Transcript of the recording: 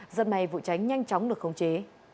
dần này vụ cháy nhanh chóng được khống chế